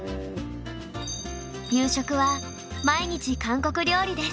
夕食は毎日韓国料理です。